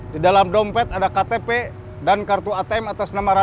di dalam dompet ada ktp dan kartu atm atas nama